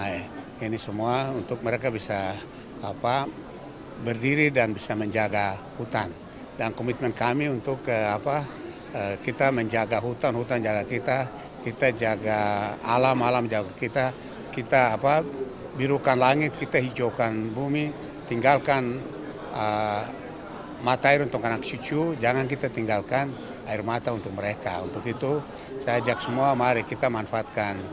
yang diperlukan oleh pemerintah provinsi papua barat